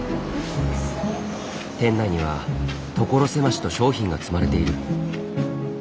店内には所狭しと商品が積まれている。